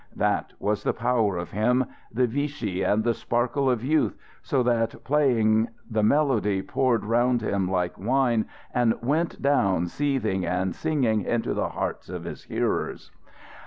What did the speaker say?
That was the power of him the Vichy and the sparkle of youth, so that, playing, the melody poured round him like wine and went down seething and singing into the hearts of his hearers.